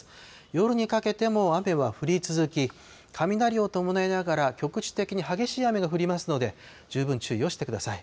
夜にかけても雨は降り続き、雷を伴いながら、局地的に激しい雨が降りますので、十分注意をしてください。